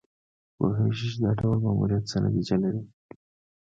پوهېږي چې دا ډول ماموریت څه نتیجه لري.